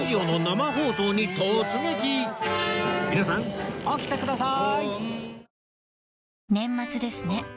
皆さん起きてください！